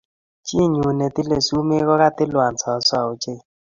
Chiinyu ne tile sumee ko katilwan soso ochei.